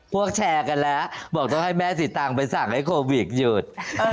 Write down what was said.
พวกแชร์กันแล้วบอกต้องให้แม่สีตังค์ไปสั่งให้โควิดหยุด